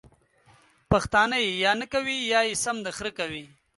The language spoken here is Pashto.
پښتانه ېې یا نکوي یا يې سم د خره کوي!